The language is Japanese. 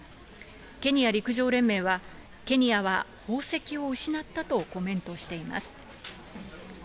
ケニア陸上連盟は、ケニアは宝石を失ったとコメントしています。